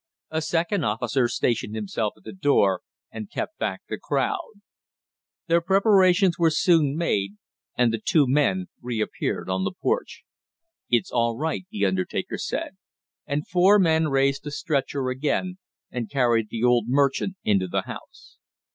A second officer stationed himself at the door and kept back the crowd. Their preparations were soon made and the two men reappeared on the porch. "It's all right," the undertaker said, and four men raised the stretcher again and carried the old merchant into the house.